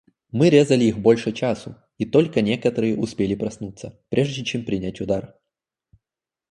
Мы резали их больше часу, и только некоторые успели проснуться, прежде чем принять удар.